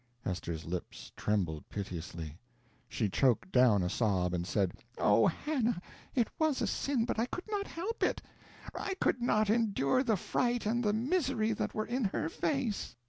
Hester's lips trembled piteously; she choked down a sob, and said: "Oh, Hannah, it was a sin, but I could not help it. I could not endure the fright and the misery that were in her face."